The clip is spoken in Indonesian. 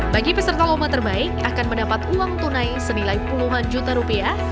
bagi peserta lomba terbaik akan mendapat uang tunai senilai puluhan juta rupiah